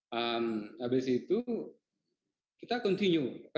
habis itu kita lanjutkan